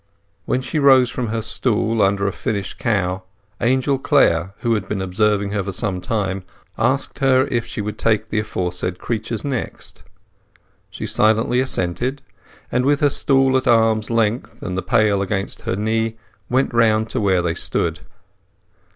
When she rose from her stool under a finished cow, Angel Clare, who had been observing her for some time, asked her if she would take the aforesaid creatures next. She silently assented, and with her stool at arm's length, and the pail against her knee, went round to where they stood.